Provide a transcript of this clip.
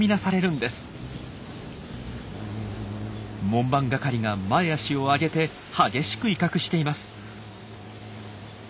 門番係が前足を上げて激しく威嚇しています。